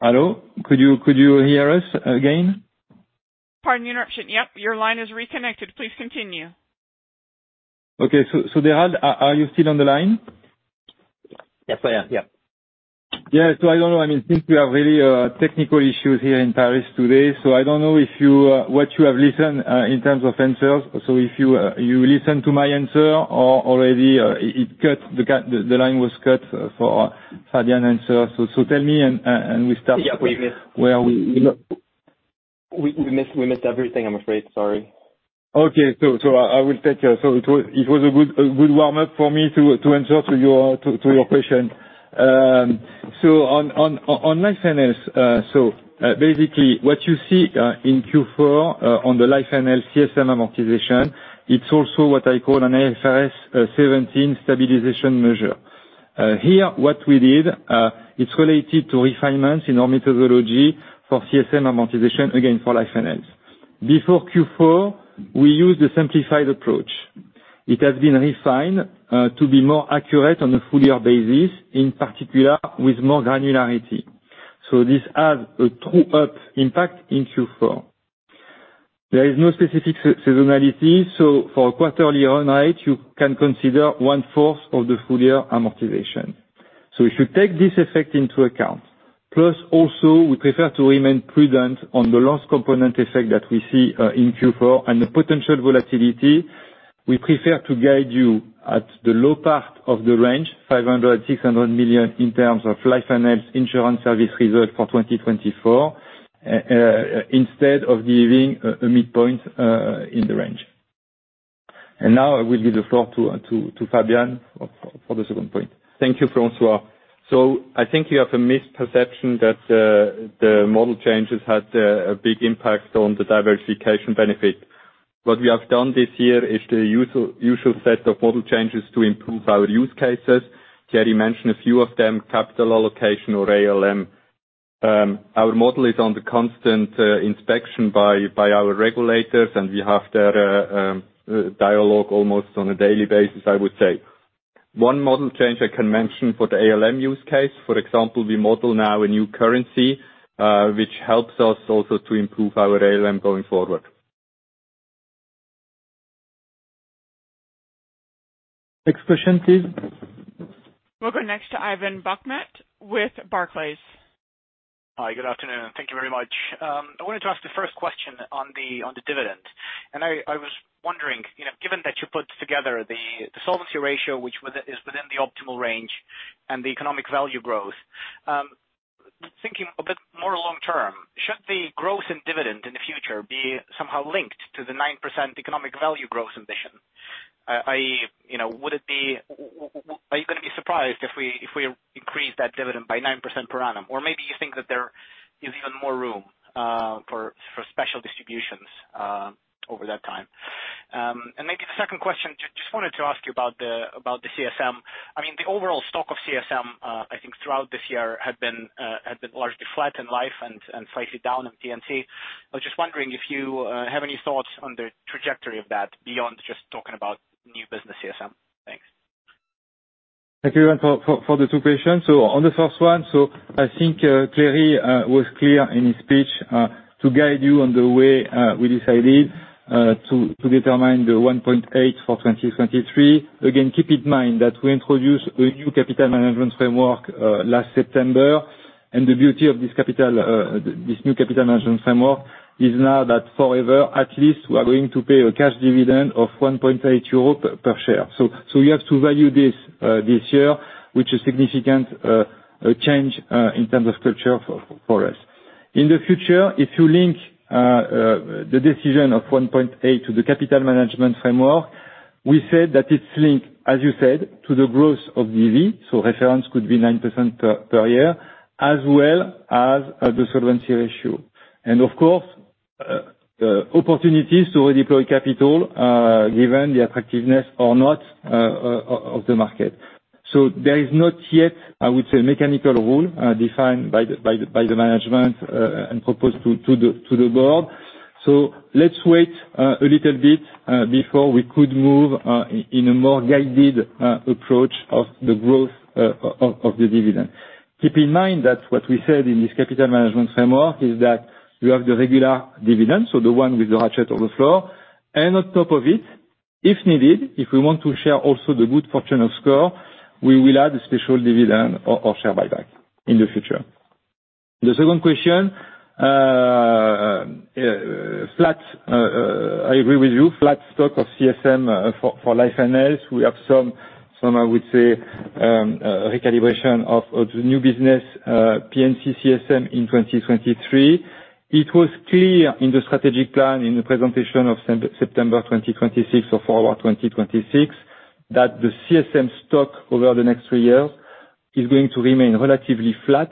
Hello? Could you hear us again? Pardon the interruption. Yep. Your line is reconnected. Please continue. Okay. So Darragh, are you still on the line? Yes, I am. Yep. Yeah. So I don't know. I mean, since we have really technical issues here in Paris today, so I don't know what you have listened to in terms of answers. So if you listened to my answer or already it cut, the line was cut for Fabian's answer. So tell me, and we'll start from where we missed. We missed everything, I'm afraid. Sorry. Okay. It was a good warm-up for me to answer to your question. So, on life and health, basically, what you see in Q4 on the life and health CSM amortization, it's also what I call an IFRS 17 stabilization measure. Here, what we did, it's related to refinements in our methodology for CSM amortization, again, for life and health. Before Q4, we used a simplified approach. It has been refined to be more accurate on a full-year basis, in particular, with more granularity. So, this has a true-up impact in Q4. There is no specific seasonality. So, for a quarterly run rate, you can consider one-fourth of the full-year amortization. So if you take this effect into account, plus also, we prefer to remain prudent on the loss component effect that we see in Q4 and the potential volatility. We prefer to guide you at the low part of the range, 500 million-600 million in terms of life and health insurance service results for 2024, instead of leaving a midpoint in the range. And now I will give the floor to Fabian for the second point. Thank you, François. So I think you have a misperception that the model changes had a big impact on the diversification benefit. What we have done this year is the usual set of model changes to improve our use cases. Thierry mentioned a few of them: capital allocation or ALM. Our model is on the constant inspection by our regulators, and we have their dialogue almost on a daily basis, I would say. One model change I can mention for the ALM use case, for example, we model now a new currency, which helps us also to improve our ALM going forward. Next question, please. We'll go next to Ivan Bokhmat with Barclays. Hi. Good afternoon. Thank you very much. I wanted to ask the first question on the dividend. And I was wondering, given that you put together the solvency ratio, which is within the optimal range, and the economic value growth, thinking a bit more long-term, should the growth in dividend in the future be somehow linked to the 9% economic value growth ambition? I.e., would it be are you going to be surprised if we increase that dividend by 9% per annum? Or maybe you think that there is even more room for special distributions over that time? Maybe the second question, just wanted to ask you about the CSM. I mean, the overall stock of CSM, I think, throughout this year had been largely flat in life and slightly down in P&C. I was just wondering if you have any thoughts on the trajectory of that beyond just talking about new business CSM. Thanks. Thank you, Ivan, for the two questions. On the first one, so I think Thierry was clear in his speech to guide you on the way we decided to determine the 1.8 for 2023. Again, keep in mind that we introduced a new capital management framework last September. The beauty of this new capital management framework is now that forever, at least, we are going to pay a cash dividend of 1.8 euro per share. So you have to value this year, which is a significant change in terms of culture for us. In the future, if you link the decision of 1.8 to the capital management framework, we said that it's linked, as you said, to the growth of DV, so reference could be 9% per year, as well as the solvency ratio. And of course, opportunities to redeploy capital given the attractiveness or not of the market. So there is not yet, I would say, a mechanical rule defined by the management and proposed to the board. So let's wait a little bit before we could move in a more guided approach of the growth of the dividend. Keep in mind that what we said in this capital management framework is that you have the regular dividend, so the one with the ratchet on the floor. And on top of it, if needed, if we want to share also the good fortune of SCOR, we will add a special dividend or share buyback in the future. The second question, I agree with you, flat stock of CSM for life and health. We have some, I would say, recalibration of the new business P&C CSM in 2023. It was clear in the strategic plan, in the presentation of September 2026 or forward 2026, that the CSM stock over the next three years is going to remain relatively flat.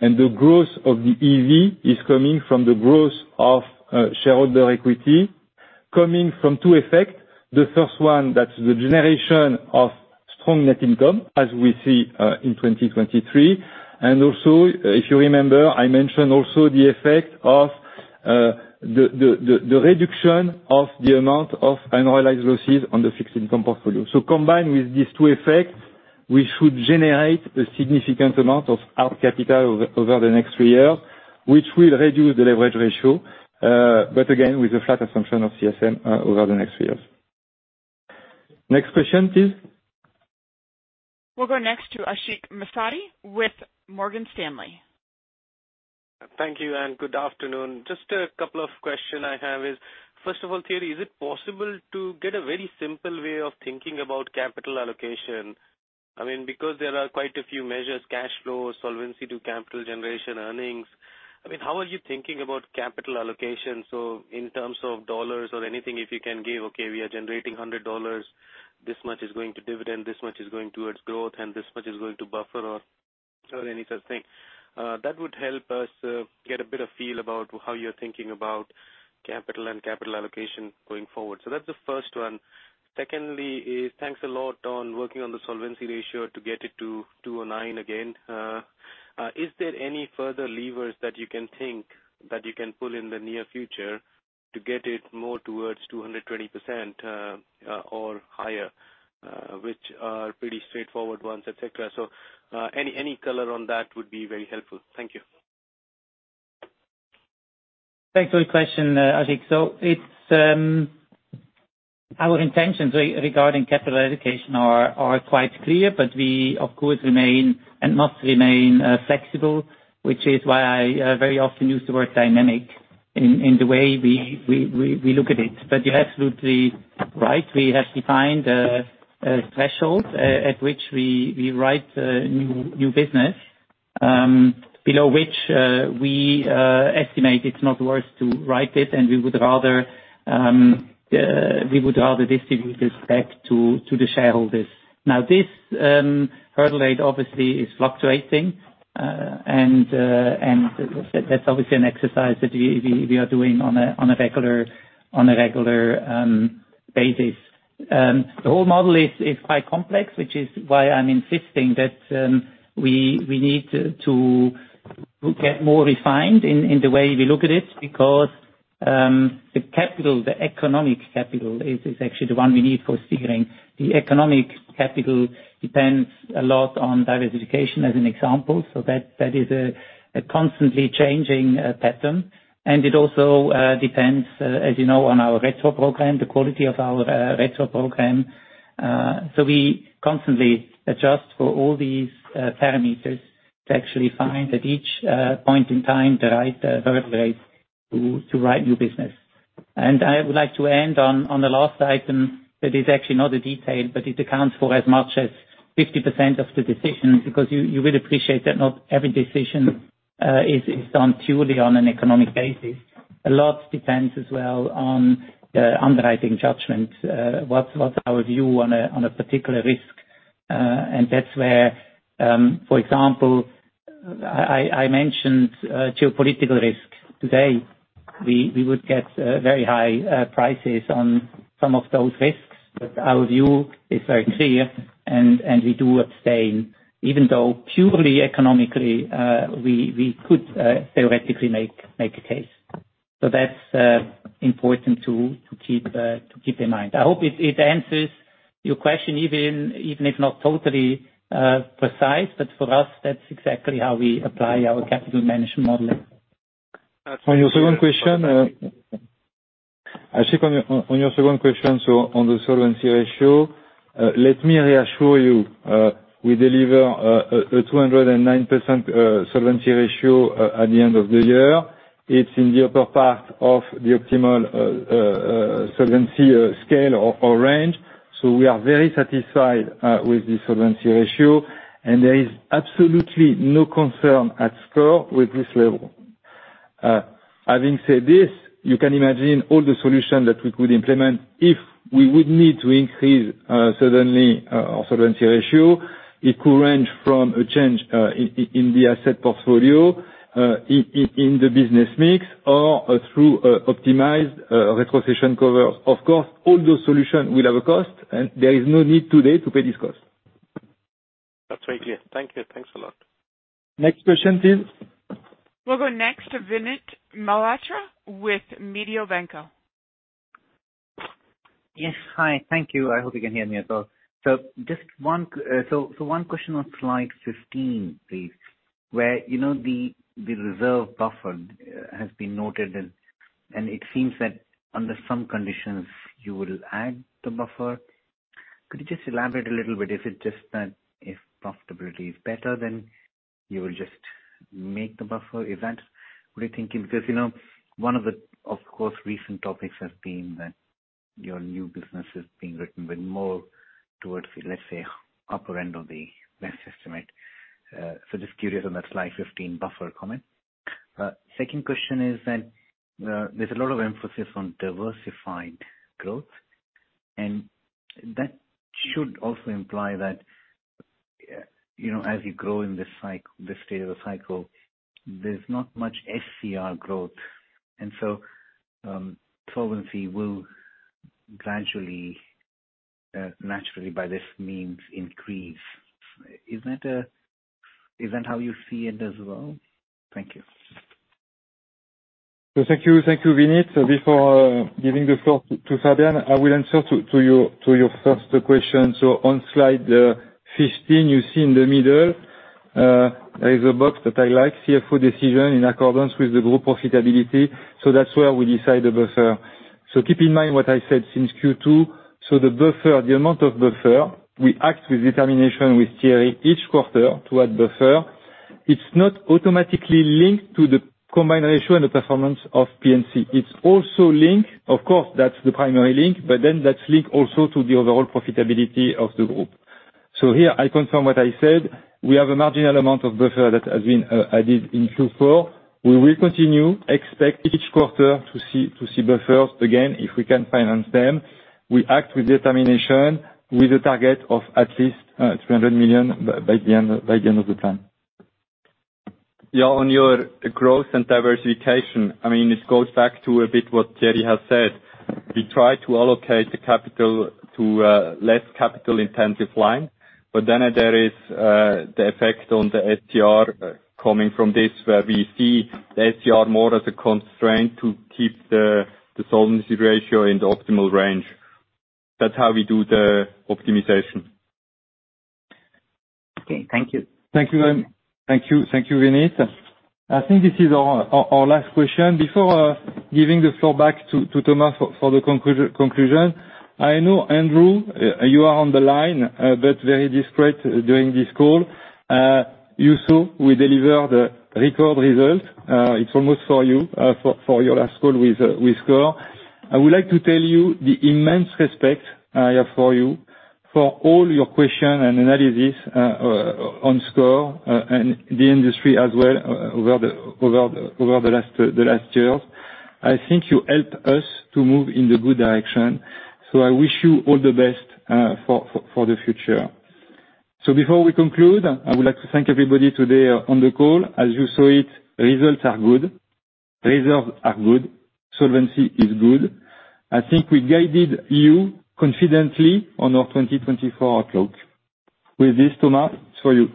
And the growth of the EV is coming from the growth of shareholder equity, coming from two effects. The first one, that's the generation of strong net income, as we see in 2023. And also, if you remember, I mentioned also the effect of the reduction of the amount of annualized losses on the fixed income portfolio. So combined with these two effects, we should generate a significant amount of hard capital over the next three years, which will reduce the leverage ratio, but again, with a flat assumption of CSM over the next three years. Next question, please. We'll go next to Ashik Musaddi with Morgan Stanley. Thank you, Ann. Good afternoon. Just a couple of questions I have is, first of all, Thierry, is it possible to get a very simple way of thinking about capital allocation? I mean, because there are quite a few measures, cash flow, solvency to capital generation, earnings, I mean, how are you thinking about capital allocation? So in terms of dollars or anything, if you can give, "Okay. We are generating $100. This much is going to dividend. This much is going towards growth, and this much is going to buffer," or any such thing. That would help us get a bit of feel about how you're thinking about capital and capital allocation going forward. So that's the first one. Second is, thanks a lot on working on the solvency ratio to get it to 209 again. Is there any further levers that you can think that you can pull in the near future to get it more towards 220% or higher, which are pretty straightforward ones, etc.? So any color on that would be very helpful. Thank you. Thanks for the question, Ashik. So our intentions regarding capital allocation are quite clear, but we, of course, remain and must remain flexible, which is why I very often use the word dynamic in the way we look at it. But you're absolutely right. We have defined a threshold at which we write new business, below which we estimate it's not worth to write it, and we would rather distribute this back to the shareholders. Now, this hurdle rate, obviously, is fluctuating, and that's obviously an exercise that we are doing on a regular basis. The whole model is quite complex, which is why I'm insisting that we need to get more refined in the way we look at it because the economic capital is actually the one we need for steering. The economic capital depends a lot on diversification, as an example. So that is a constantly changing pattern. And it also depends, as you know, on our retro program, the quality of our retro program. So we constantly adjust for all these parameters to actually find at each point in time the right hurdle rate to write new business. And I would like to end on the last item that is actually not a detail, but it accounts for as much as 50% of the decision because you will appreciate that not every decision is done purely on an economic basis. A lot depends as well on underwriting judgment, what's our view on a particular risk. And that's where, for example, I mentioned geopolitical risk. Today, we would get very high prices on some of those risks. But our view is very clear, and we do abstain, even though purely economically, we could theoretically make a case. So that's important to keep in mind. I hope it answers your question, even if not totally precise. But for us, that's exactly how we apply our capital management model. On your second question, Ashik, on your second question, so on the solvency ratio, let me reassure you. We deliver a 209% solvency ratio at the end of the year. It's in the upper part of the optimal solvency scale or range. So we are very satisfied with this solvency ratio, and there is absolutely no concern at SCOR with this level. Having said this, you can imagine all the solutions that we could implement if we would need to increase suddenly our solvency ratio. It could range from a change in the asset portfolio, in the business mix, or through optimized retrocession covers. Of course, all those solutions will have a cost, and there is no need today to pay this cost. That's very clear. Thank you. Thanks a lot. Next question, please. We'll go next to Vinit Malhotra with Mediobanca. Yes. Hi. Thank you. I hope you can hear me as well. So just one question on slide 15, please, where the reserve buffer has been noted, and it seems that under some conditions, you will add the buffer. Could you just elaborate a little bit? Is it just that if profitability is better, then you will just make the buffer? Would you think because one of the, of course, recent topics has been that your new business is being written with more towards, let's say, upper end of the best estimate. So just curious on that slide 15 buffer comment. Second question is that there's a lot of emphasis on diversified growth, and that should also imply that as you grow in this stage of the cycle, there's not much SCR growth, and so solvency will gradually, naturally, by this means, increase. Is that how you see it as well? Thank you. Thank you. Thank you, Vinit. Before giving the floor to Fabian, I will answer to your first question. So on slide 15, you see in the middle, there is a box that I like, CFO decision in accordance with the group profitability. So that's where we decide the buffer. So keep in mind what I said since Q2. So the amount of buffer, we act with determination with Thierry each quarter to add buffer. It's not automatically linked to the combined ratio and the performance of P&C. It's also linked of course, that's the primary link, but then that's linked also to the overall profitability of the group. So here, I confirm what I said. We have a marginal amount of buffer that has been added in Q4. We will continue, expect. Each quarter to see buffers again if we can finance them. We act with determination with a target of at least 300 million by the end of the plan. On your growth and diversification, I mean, it goes back to a bit what Thierry has said. We try to allocate the capital to less capital-intensive lines, but then there is the effect on the SCR coming from this, where we see the SCR more as a constraint to keep the solvency ratio in the optimal range. That's how we do the optimization. Okay. Thank you. Thank you, Ivan. Thank you. Thank you, Vinit. I think this is our last question. Before giving the floor back to Thomas for the conclusion, I know, Andrew, you are on the line, but very discreet during this call. You. So we delivered record results. It's almost for you, for your last call with SCOR. I would like to tell you the immense respect I have for you for all your questions and analysis on SCOR and the industry as well over the last years. I think you helped us to move in the good direction. So I wish you all the best for the future. So before we conclude, I would like to thank everybody today on the call. As you saw it, results are good. Reserves are good. Solvency is good. I think we guided you confidently on our 2024 outlook. With this, Thomas, it's for you.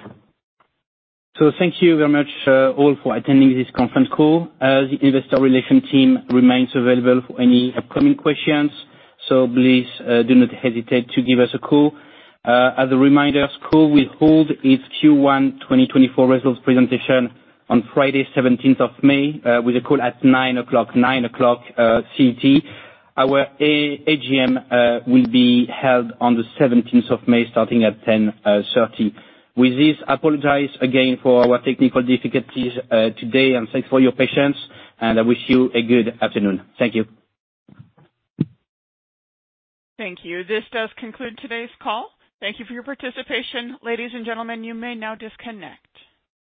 So thank you very much all for attending this conference call. The Investor Relations team remains available for any upcoming questions. So please do not hesitate to give us a call. As a reminder, SCOR will hold its Q1 2024 results presentation on Friday, 17th of May, with a call at 9:00 A.M., 9:00 A.M. CET. Our AGM will be held on the 17th of May starting at 10:30 A.M. With this, I apologize again for our technical difficulties today, and thanks for your patience. I wish you a good afternoon. Thank you. Thank you. This does conclude today's call. Thank you for your participation. Ladies and gentlemen, you may now disconnect.